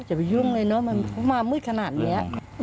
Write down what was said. จะไปยุ่งเลยนะมันเพราะมาตืดขนาดนี้